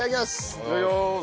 いただきます！